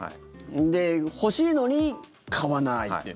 で、欲しいのに買わないって。